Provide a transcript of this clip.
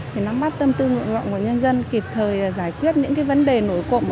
thì nó bắt tâm tư nguyện vọng của nhân dân kịp thời giải quyết những vấn đề nổi cộng